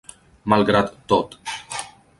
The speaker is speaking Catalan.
Malgrat tot.